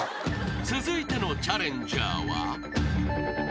［続いてのチャレンジャーは］